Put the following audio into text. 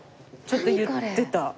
ちょっと言ってた。